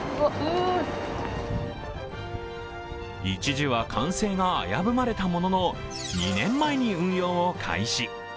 一時は完成が危ぶまれたものの２年前に運用を開始。